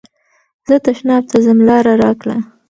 زه تشناب ته ځم لاره راکړه.